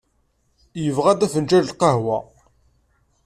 Yebɣa-d afenǧal n lqahwa.